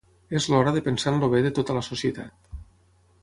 És l’hora de pensar en el bé de tota la societat.